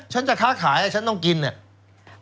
ฉันจะค้าขายฉันต้องกินเนี่ย